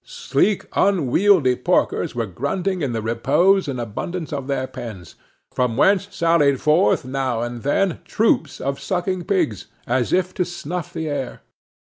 Sleek unwieldy porkers were grunting in the repose and abundance of their pens, from whence sallied forth, now and then, troops of sucking pigs, as if to snuff the air.